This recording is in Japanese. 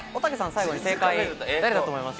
最後に正解、誰だと思いますか？